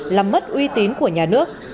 làm mất uy tín của nhà nước